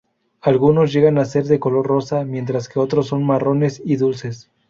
Algunos llegan a ser de color rosa, mientras que otros son marrones y dulces.